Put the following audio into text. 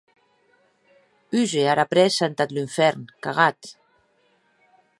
Húger ara prèssa entath lunfèrn, cagat!